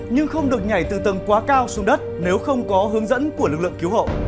nhưng không được nhảy từ tầng quá cao xuống đất nếu không có hướng dẫn của lực lượng cứu hộ